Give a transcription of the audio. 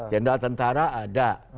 jenderal tentara ada